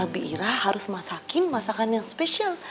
bira harus masakin masakan yang spesial